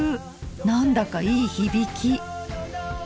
何だかいい響き！